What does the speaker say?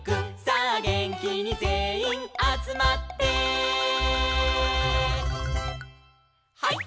「さあげんきにぜんいんあつまって」「ハイ！